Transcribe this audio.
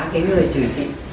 cái lời chửi chị